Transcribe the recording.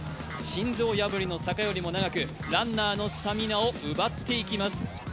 心臓破りの坂よりも長く、ランナーのスタミナを奪っていきます。